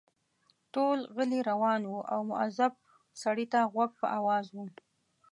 ټول غلي روان وو او مؤظف سړي ته غوږ په آواز وو.